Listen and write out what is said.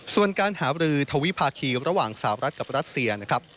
ส่วนการหาบรือทวิภาคีระหว่างสาวรัฐกับรัสเซียนะครับ